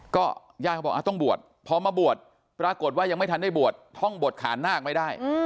ก็ญาติเขาบอกต้องบวชพอมาบวชปรากฏว่ายังไม่ทันได้บวชท่องบวชขานนาคไม่ได้